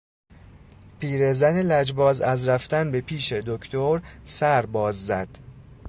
پیر زن لجباز از رفتن به پیش دکتر سر باز زد.